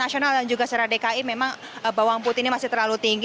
nasional dan juga secara dki memang bawang putih ini masih terlalu tinggi